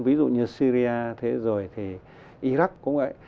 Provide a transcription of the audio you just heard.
ví dụ như syria thế rồi thì iraq cũng vậy